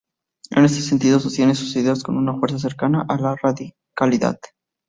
En este sentido, sostiene sus ideas con una fuerza cercana a la radicalidad.